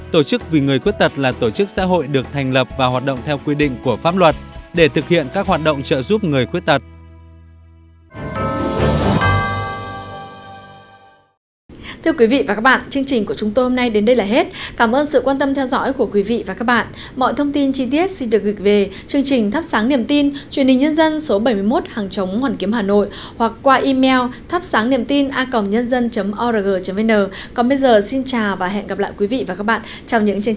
tổ chức vì người khuyết tật là tổ chức xã hội được thành lập và hoạt động theo quy định của pháp luật để thực hiện các hoạt động trợ giúp người khuyết tật